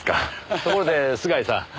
ところで菅井さん。